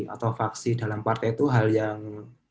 atau faksi dalam partai itu hal yang